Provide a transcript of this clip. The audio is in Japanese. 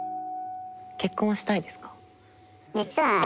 結婚はしたいですか？